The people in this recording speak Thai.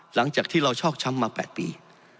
หลังจากที่เราชอกช้ำมา๘ปี